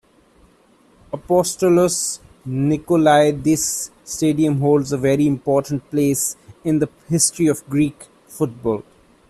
Apostolos Nikolaidis Stadium holds a very important place in the history of Greek football.